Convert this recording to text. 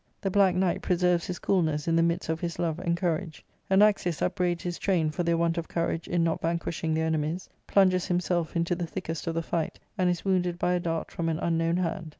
The Black Knight preserves his coolness in the midst of his love and courage. Anaxius upbraids his train for their want of courage in not vanquishing their enemies, plunges himself into the thickest of the fight, and is wounded by a dart from an unknown hand.